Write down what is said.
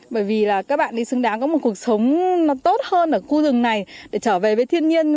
bởi vì là các bạn ấy xứng đáng có một cuộc sống nó tốt hơn ở khu rừng này để trở về với thiên nhiên